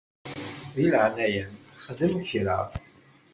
Di leɛnaya-m xdem kra.